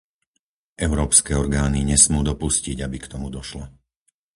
Európske orgány nesmú dopustiť, aby k tomu došlo.